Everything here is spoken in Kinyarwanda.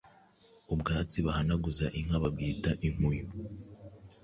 Ubwatsi bahanaguza inka bwitwa Inkuyo